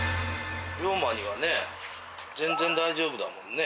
リョーマにはね全然大丈夫だもんね。